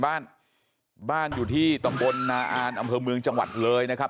บ้านบ้านอยู่ที่ตำบลนาอานอำเภอเมืองจังหวัดเลยนะครับ